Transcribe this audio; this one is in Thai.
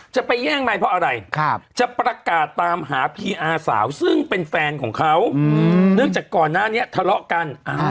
ไปแย่งไมค์เพราะอะไรจะประกาศตามหาพีอาสาวซึ่งเป็นแฟนของเขาเนื่องจากก่อนหน้านี้ทะเลาะกัน